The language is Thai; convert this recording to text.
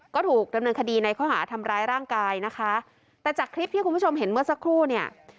ก็ถูกดำเนินคดีในข้อหาทำร้ายร่างกายนะคะแต่จากคลิปที่คุณผู้ชมเห็นเมื่อสักครู่เนี่ย